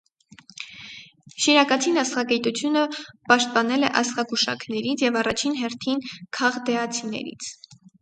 Շիրակացին աստղագիտությունը պաշտպանել է աստղագուշակներից և առաջին հերթին քաղդեացիներից։